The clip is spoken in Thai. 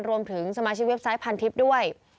รวมถึงสมาชิกเว็บไซต์พันทิพย์ด้วย